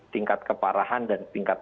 tingkat keparahan dan tingkat